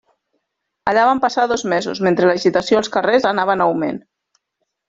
Allà van passar dos mesos mentre l'agitació als carrers anava en augment.